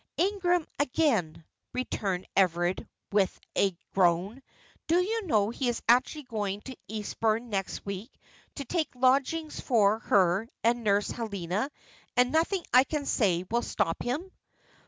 "Ingram again," returned Everard, with a groan. "Do you know, he is actually going to Eastbourne next week to take lodgings for her and Nurse Helena, and nothing I can say will stop him."